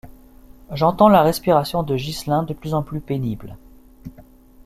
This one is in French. J’entends la respiration de Ghislain de plus en plus pénible.